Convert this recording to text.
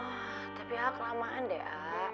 oh tapi ya kelamaan deh a